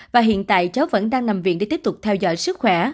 và hiện tại cháu vẫn đang nằm viện để tiếp tục theo dõi sức khỏe